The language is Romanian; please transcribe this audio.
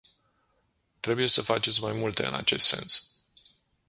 Trebuie să faceți mai multe în acest sens.